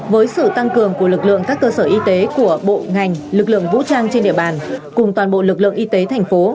với sự tăng cường của lực lượng các cơ sở y tế của bộ ngành lực lượng vũ trang trên địa bàn cùng toàn bộ lực lượng y tế thành phố